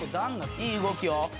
いい動きよ。